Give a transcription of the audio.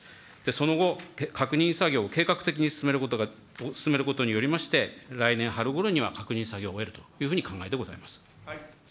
その後、確認作業を計画的に進めることによりまして、来年春ごろには確認作業を終えるというふうに考えてございます。